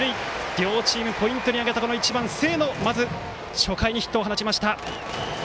両チーム、ポイントに挙げた１番の清野がまず、初回にヒットを放ちました。